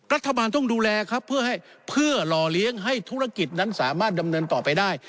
รัฐบาลต้องดูแลครับเพื่อให้เพื่อหล่อเลี้ยงให้ธุรกิจนั้นสามารถดำเนินต่อไปได้